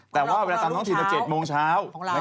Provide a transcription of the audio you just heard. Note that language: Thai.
แต่ว่าเวลาตามท้องถิ่นจะ๗โมงเช้า